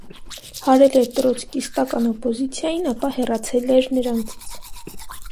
Հարել էր տրոցկիստական օպոզիցիային, ապա հեռացել էր նրանից։